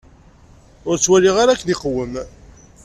Ur ttwaliɣ ara akken iqwem.